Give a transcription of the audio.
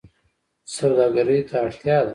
سوداګرۍ ته اړتیا ده